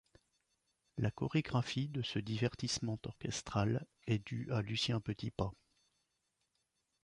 La chorégraphie de ce divertissement orchestral est due à Lucien Petipa.